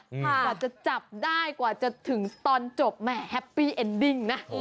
กว่าจะจับได้กว่าจะถึงตอนจบแหมแฮปปี้เอ็นดิ้งนะ